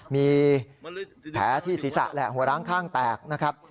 มีแผลที่ศีรษะแหละหัวร้างข้างแตกนะครับ